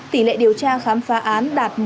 tỷ lệ điều tra khám phá án đạt một trăm linh